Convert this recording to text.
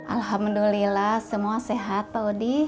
alhamdulillah semua sehat pak odi